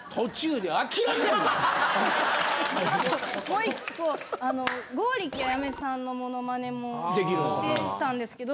あともう１個あの剛力彩芽さんのモノマネもしてたんですけど。